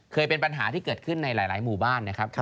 เคยเป็นปัญหาที่เกิดขึ้นในหลายหมู่บ้านนะครับ